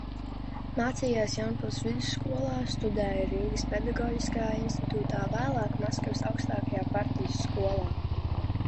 Mācījās Jaunpils vidusskolā, studēja Rīgas Pedagoģiskajā institūtā, vēlāk Maskavas augstākajā partijas skolā.